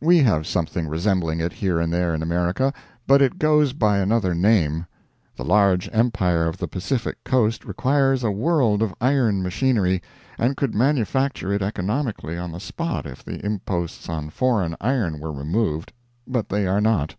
We have something resembling it here and there in America, but it goes by another name. The large empire of the Pacific coast requires a world of iron machinery, and could manufacture it economically on the spot if the imposts on foreign iron were removed. But they are not.